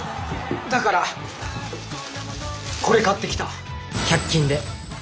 だからこれ買ってきた１００均で。